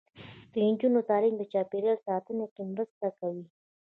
د نجونو تعلیم د چاپیریال ساتنه کې مرسته کوي.